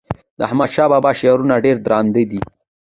د رحمان بابا شعرونه ډير درانده دي.